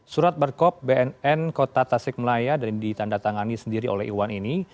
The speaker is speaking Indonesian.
surat berkop bnn kota tasik melaya dan ditanda tangani sendiri oleh iwan ini